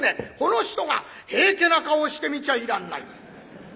この人が平家な顔して見ちゃいらんない。